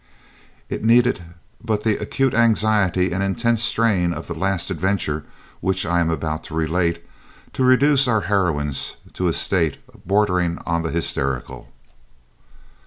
It needed but the acute anxiety and intense strain of the last adventure which I am about to relate, to reduce our heroines to a state bordering on the hysterical.